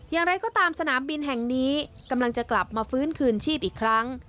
อย่างไรก็ตามสนามบินแห่งนี้กำลังจะกลับมาฟื้นคืนชีพอีกครั้ง